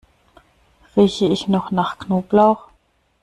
Rieche ich noch nach Knoblauch?